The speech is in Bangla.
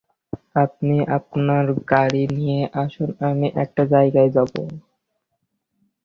আপনি আপনার গাড়ি নিয়ে আসুন, আমি একটা জায়গায় যাব।